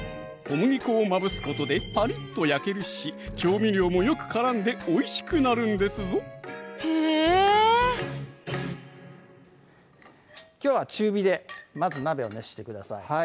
小麦粉をまぶすことでパリッと焼けるし調味料もよく絡んでおいしくなるんですぞへぇきょうは中火でまず鍋を熱してください